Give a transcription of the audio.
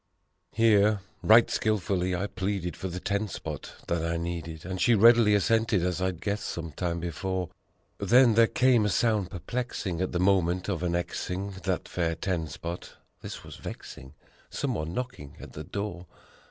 Here, right skillfully I pleaded for the ten spot that I needed, And she readily assented, as I'd guessed some time before. Then there came a sound perplexing, at the moment of annexing That fair ten spot: this was vexing! Someone knocking at the door!